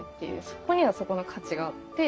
そこにはそこの価値があって。